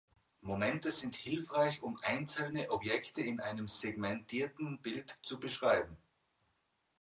Momente sind hilfreich, um einzelne Objekte in einem segmentierten Bild zu beschreiben.